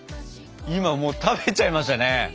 今もう食べちゃいましたね。